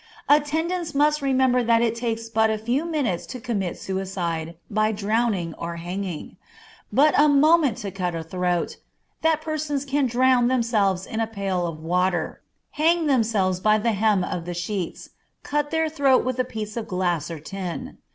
Attendants must remember that it takes but a few minutes to commit suicide, by drowning or hanging but a moment to cut the throat; that persons can drown themselves in a pail of water, hang themselves by the hem of the sheets, cut their throat with a piece of glass or tin.